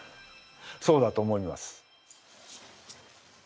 そうだと思います。